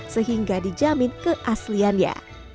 sehingga dijamin keasliannya